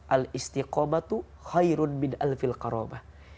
al istiqomah itu khairun min alfil karomah